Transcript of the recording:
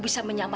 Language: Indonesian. tidak ada foto